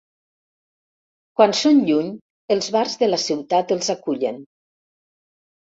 Quan són lluny els bars de la ciutat els acullen.